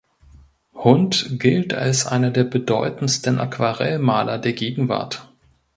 Hund gilt als einer der bedeutendsten Aquarellmaler der Gegenwart.